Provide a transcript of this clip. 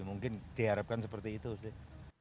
mungkin diharapkan seperti itu sih